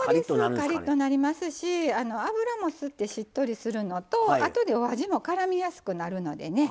カリッとなりますし油も吸ってしっとりするのとあとでお味もからみやすくなるのでね